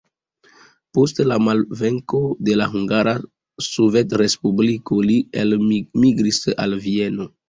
Post la malvenko de la Hungara Sovetrespubliko, li elmigris al Vieno.